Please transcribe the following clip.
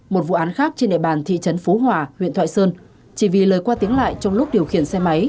một vụ án khác trên địa bàn thị trấn phú hòa huyện thoại sơn chỉ vì lời qua tiếng lại trong lúc điều khiển xe máy